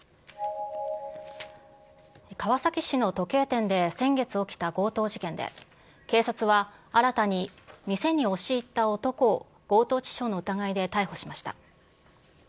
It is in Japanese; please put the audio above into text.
川崎市の時計店で先月起きた強盗事件で、警察は、新たに店に押し入った男を強盗致傷の疑いで逮捕しました。